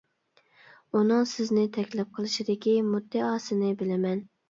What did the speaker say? ئۇنىڭ سىزنى تەكلىپ قىلىشىدىكى مۇددىئاسىنى بىلىمەن.